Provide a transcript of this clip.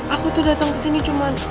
aku tuh dateng kesini cuman